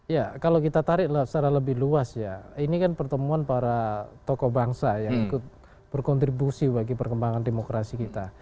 ya kalau kita tarik secara lebih luas ya ini kan pertemuan para tokoh bangsa yang ikut berkontribusi bagi perkembangan demokrasi kita